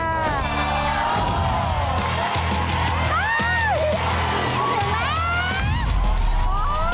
เหลือแล้ว